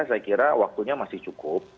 saya kira waktunya masih cukup